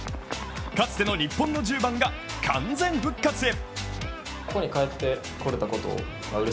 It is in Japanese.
かつての日本の１０番が完全復活へ。